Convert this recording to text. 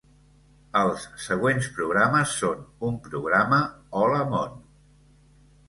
Els següents programes són un programa Hola Món!